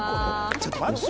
ちょっと待って。